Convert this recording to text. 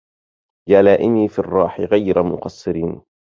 يا لائمي في الراح غير مقصر